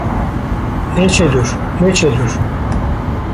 Neçe dûr neçe dûr